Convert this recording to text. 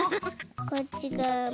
こっちがわも。